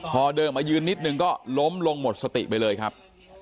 พอเดินมายืนนิดนึงก็ล้มลงหมดสติไปเลยครับ